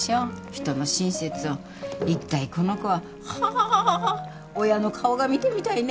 人の親切をいったいこの子は。は親の顔が見てみたいね。